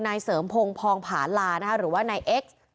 นายเสริมพงศ์พองผาลาหรือว่านายเอ็กซ์